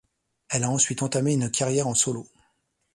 Elle a ensuite entamé une carrière en solo.